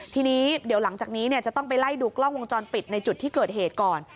ทีนี้เดี๋ยวหลังจากนี้จะต้องไปไล่ดูกล้องวงจรปิดในจุดที่เกิดเหตุก่อน